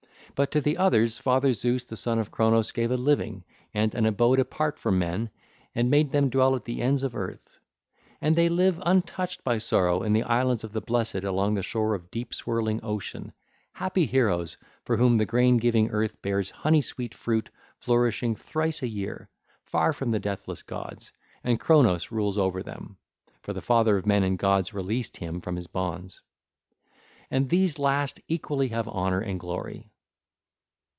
But to the others father Zeus the son of Cronos gave a living and an abode apart from men, and made them dwell at the ends of earth. And they live untouched by sorrow in the islands of the blessed along the shore of deep swirling Ocean, happy heroes for whom the grain giving earth bears honey sweet fruit flourishing thrice a year, far from the deathless gods, and Cronos rules over them 1305; for the father of men and gods released him from his bonds. And these last equally have honour and glory.